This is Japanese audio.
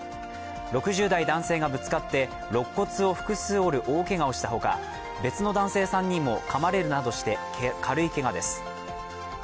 ６０代男性がぶつかってろっ骨を複数折る大けがをしたほか別の男性３人もかまれるなどして軽いけがです。